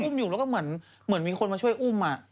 อยู่แล้วก็เหมือนมีคนมาช่วยอุ้ม